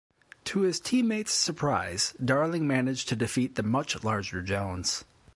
To his team mates' surprise, Darling managed to defeat the much larger Jones.